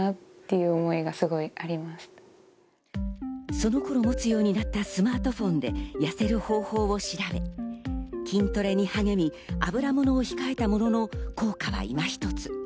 その頃持つようになったスマートフォンで痩せる方法を調べ筋トレに励み油物を控えたものの効果は今ひとつ。